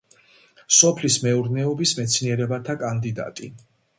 სოფლის მეურნეობის მეცნიერებათა კანდიდატი.